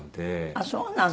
あっそうなの。